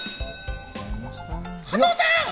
加藤さん！